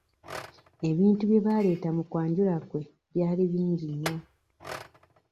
Ebintu bye baaleeta mu kwanjula kwe byali bingi nnyo.